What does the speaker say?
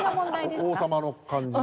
王様の感じで。